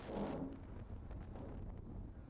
Estos debían pagar más impuestos.